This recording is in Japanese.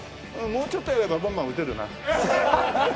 もうちょっとやればバンバン打てるな。